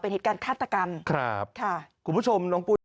เป็นเหตุการณ์คาตกรรม